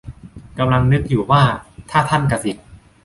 กำลังนึกอยู่ว่า ถ้าท่านกษิต